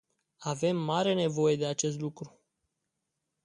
Avem mare nevoie de acest lucru.